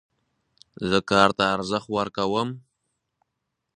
زه کار ته ارزښت ورکوم.